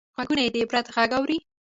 غوږونه د عبرت غږ اوري